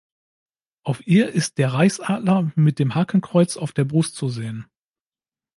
Auf ihr ist der Reichsadler mit dem Hakenkreuz auf der Brust zu sehen.